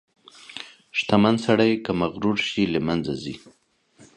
• شتمن سړی که مغرور شي، له منځه ځي.